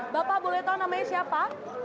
bapak boleh tahu namanya siapa